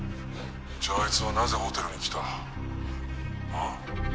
じゃああいつはなぜホテルに来たあっ？